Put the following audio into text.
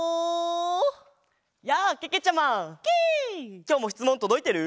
きょうもしつもんとどいてる？